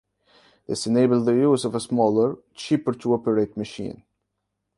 This enabled the use of a smaller, cheaper-to-operate machine.